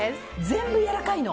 全部、やわらかいの！